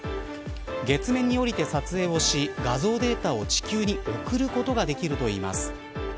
月面におりて撮影をし画像データを地球に送ることができるといいます。